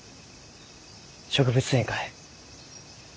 植物園かえ？